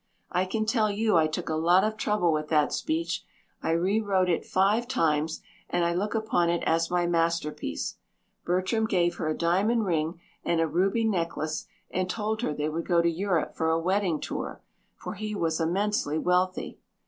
I can tell you I took a lot of trouble with that speech. I rewrote it five times and I look upon it as my masterpiece. Bertram gave her a diamond ring and a ruby necklace and told her they would go to Europe for a wedding tour, for he was immensely wealthy.